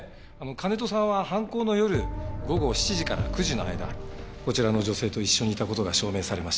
金戸さんは犯行の夜午後７時から９時の間こちらの女性と一緒にいた事が証明されました。